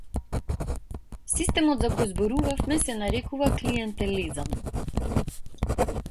Системот за кој зборуваме се нарекува клиентелизам.